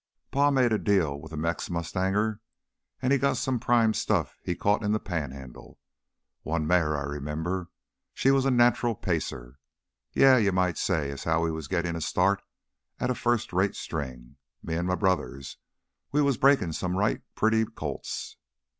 Pa made a deal with a Mex mustanger; he got some prime stuff he caught in the Panhandle. One mare, I 'member she was a natcherel pacer. Yeah, you might say as how we was gittin' a start at a first rate string. Me an' m' brothers, we was breakin' some right pretty colts..."